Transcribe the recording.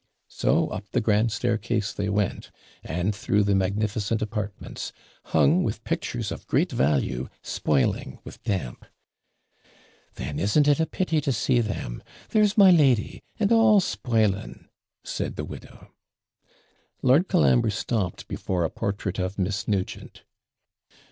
So up the grand staircase they went, and through the magnificent apartments, hung with pictures of great value, spoiling with damp. 'Then, isn't it a pity to see them? There's my lady, and all spoiling,' said the widow. Lord Colambre stopped before a portrait of Miss Nugent.